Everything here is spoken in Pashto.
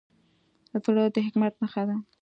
زړه د حکمت نښه ده.